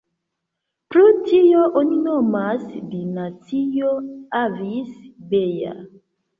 Pro tio oni nomas Dinastio Avis-Beja.